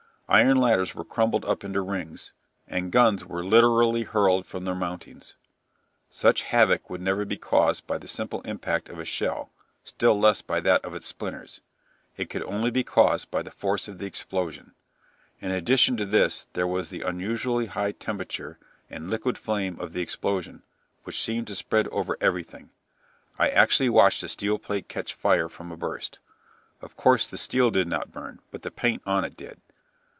Iron ladders were crumpled up into rings, and guns were literally hurled from their mountings. Such havoc would never be caused by the simple impact of a shell, still less by that of its splinters. It could only be caused by the force of the explosion.... In addition to this there was the unusually high temperature and liquid flame of the explosion, which seemed to spread over everything. I actually watched a steel plate catch fire from a burst. Of course, the steel did not burn, but the paint on it did.